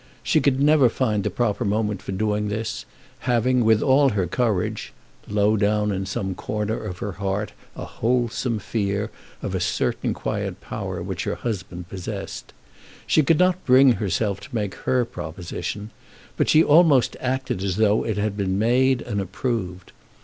She never could find the proper moment for doing this, having, with all her courage, low down in some corner of her heart, a wholesome fear of a certain quiet power which her husband possessed. She could not bring herself to make her proposition; but she almost acted as though it had been made and approved.